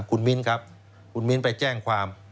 คุณมิ้นครับคุณมิ้นไปแจ้งความ